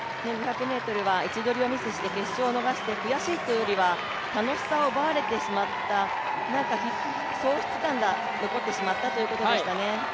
１５００ｍは位置取りを失敗して悔しいというよりは、楽しさを奪われてしまった、喪失感が残ってしまったということでしたね。